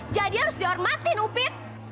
jadi harus dihormatin upit